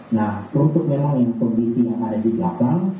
nah untuk memang kondisi yang ada di belakang